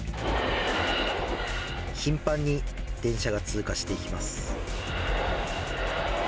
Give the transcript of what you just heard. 頻繁に電車が通過していきます。